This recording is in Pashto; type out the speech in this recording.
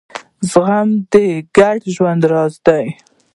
زغم د ګډ ژوند راز دی.